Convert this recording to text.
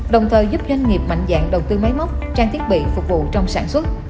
đồng thời giúp doanh nghiệp mạnh dạng đầu tư máy móc trang thiết bị phục vụ trong sản xuất